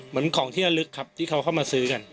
เหมือนของที่ระลึกครับที่เขาเข้ามาซื้อกัน